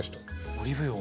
オリーブ油を。